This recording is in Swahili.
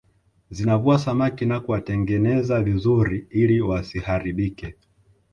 Zinavua samaki na kuwatengeneza vizuri ili wasiharibike